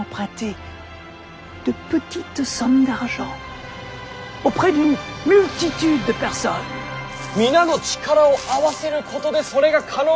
皆の力を合わせることでそれが可能になる。